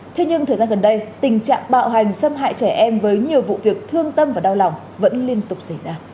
thế nhưng thời gian gần đây tình trạng bạo hành xâm hại trẻ em với nhiều vụ việc thương tâm và đau lòng vẫn liên tục xảy ra